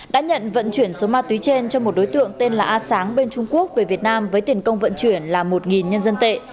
đã nhận vận chuyển số ma túy trên cho một đối tượng tên là a sáng bên trung quốc về việt nam với tiền công vận chuyển là một nhân dân tệ